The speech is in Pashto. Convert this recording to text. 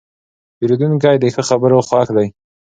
پیرودونکی د ښه خبرو خوښ دی.